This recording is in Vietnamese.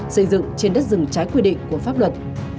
xây dựng trên đất rừng trái quy định của pháp luật